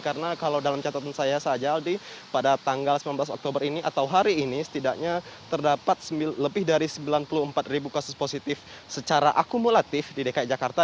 karena kalau dalam catatan saya saja aldi pada tanggal sembilan belas oktober ini atau hari ini setidaknya terdapat lebih dari sembilan puluh empat ribu kasus positif secara akumulatif di dki jakarta